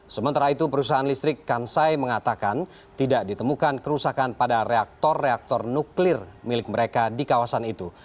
sementara itu perusahaan listrik kansai mengatakan tidak ditemukan kerusakan pada reaktor reaktor nuklir milik mereka di kawasan itu